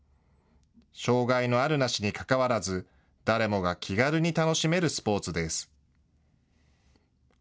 障害のあるなしにかかわらず誰もが気軽に楽しめるスポーツです。